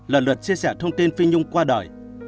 lần lượt chia sẻ thông tin phi nhung qua đời